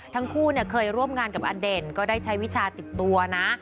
ทั้งคู่เคยร่วมงานกับอเด่นก็ได้ใช้วิชาติดตัวนะ